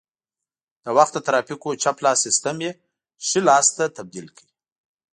د وخت د ترافیکو چپ لاس سیسټم یې ښي لاس ته تبدیل کړ